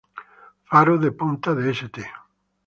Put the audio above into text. Faro de Punta de St.